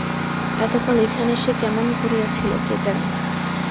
এতকাল এখানে সে কেমন করিয়া ছিল কে জানে।